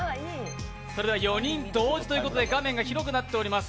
４人同時ということで画面が広くなっております。